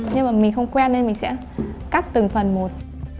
nhưng mà mình không quen nên mình sẽ cắt từng phần một